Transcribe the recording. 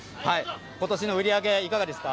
ことしの売り上げ、いかがですか？